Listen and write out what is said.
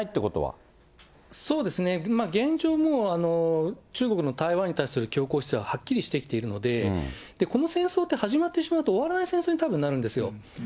そうですね、現状、もう、中国の台湾に対する強硬姿勢ははっきりしてきているので、この戦争って始まってしまうと、終わらない戦争にたぶんなるんですよ。